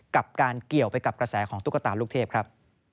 กับการเกี่ยวไปกับกระแสของตุ๊กตาลูกเทพครับ